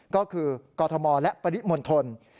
ก็คือกรทมและปริมณฑล